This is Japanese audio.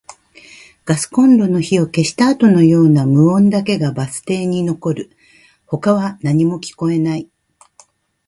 ガスコンロの火を消したあとのような無音だけがバス停に残る。他は何も聞こえない。